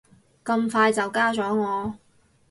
咁快就加咗我